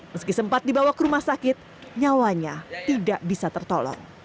meski sempat dibawa ke rumah sakit nyawanya tidak bisa tertolong